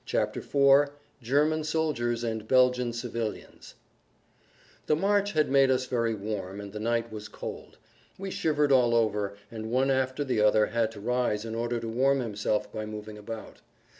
[Pg 32] IV GERMAN SOLDIERS AND BELGIAN CIVILIANS The march had made us very warm, and the night was cold. We shivered all over, and one after the other had to rise in order to warm himself by moving about.